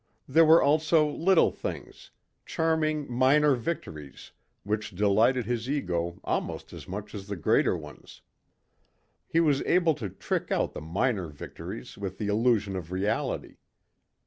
There were also little things, charming minor victories which delighted his ego almost as much as the greater ones. He was able to trick out the minor victories with the illusion of reality.